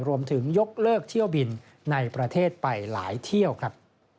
รวมถึงยกเลิกเที่ยวบินในประเทศไปหลายเที่ยวครับ